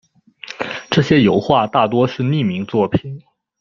这些油画大多是匿名作品。